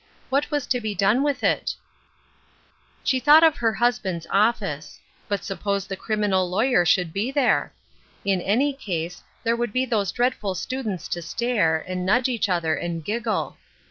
What was to be done with it ? She thought of her husband's office ; but sup pose the criminal lawyer should be there ? In any case, there would be those dreadful students to stare, and nudge each other and giggle.